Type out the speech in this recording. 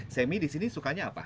semi di sini sukanya apa